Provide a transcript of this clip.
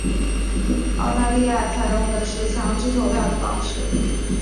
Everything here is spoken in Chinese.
澳大利亚采用的是强制投票的方式。